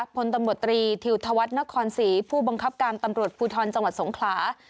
พลตำรวจตรีทิวธวัฒนครศรีผู้บังคับการตำรวจภูทรจังหวัดสงขลา